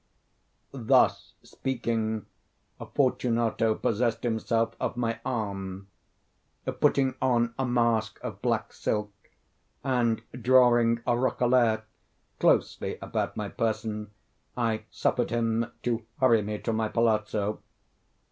Thus speaking, Fortunato possessed himself of my arm. Putting on a mask of black silk, and drawing a roquelaire closely about my person, I suffered him to hurry me to my palazzo.